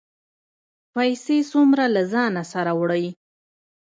پیسې څومره له ځانه سره وړئ؟